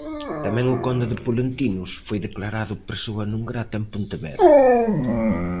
Tamén o conde de Polentinos foi declarado persoa non grata en Pontevedra.